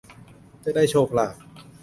จะได้โชคลาภ